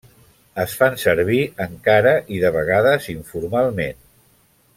Es fan servir, encara i de vegades, informalment.